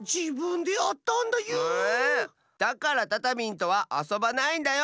だからタタミンとはあそばないんだよ！